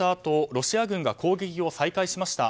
ロシア軍が攻撃を再開しました。